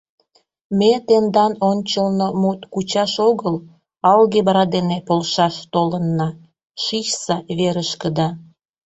Ме тендан ончылно мут кучаш огыл, алгебра дене полшаш толынна, шичса верышкыда.